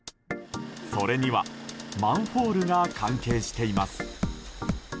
それには、マンホールが関係しています。